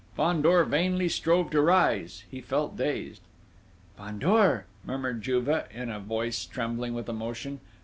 Fandor vainly strove to rise: he felt dazed. "Fandor!" murmured Juve, in a voice trembling with emotion.